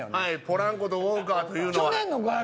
ポランコとウォーカーというのは。